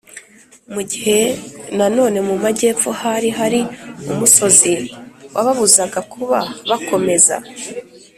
mu gihe na none mu majyepfo hari hari umusozi wababuzaga kuba bakomeza.